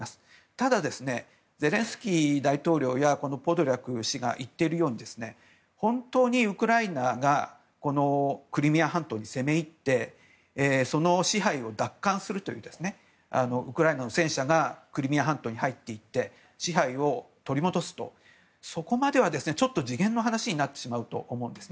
ただ、ゼレンスキー大統領やポドリャク氏が言っているように本当にウクライナがクリミア半島に攻め入ってその支配を奪還するというウクライナの戦車がクリミア半島に入って行って支配を取り戻すとそこまでは次元の話になってしまうと思うんです。